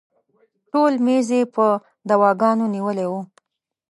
ټول میز یې په دواګانو نیولی و.